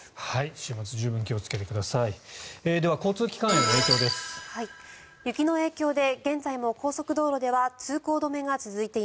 週末十分気をつけてください。